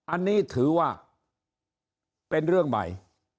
อันนี้ถือว่าเป็นเรื่องใหม่